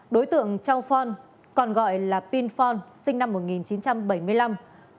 đối tượng châu phon còn gọi là pin fonn sinh năm một nghìn chín trăm bảy mươi năm